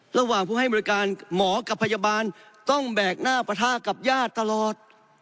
ระหว่างผู้ให้บริการหมอกับพยาบาลต้องแบกหน้าปะทะกับญาติตลอด